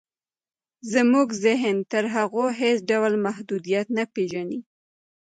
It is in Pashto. زموږ ذهن تر هغو هېڅ ډول محدوديت نه پېژني.